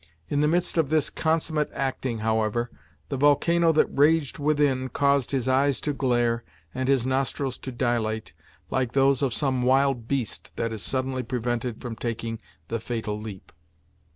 In the midst of this consummate acting, however, the volcano that raged within caused his eyes to glare, and his nostrils to dilate, like those of some wild beast that is suddenly prevented from taking the fatal leap.